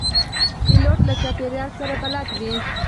پیلوټ له چاپېریال سره بلد وي.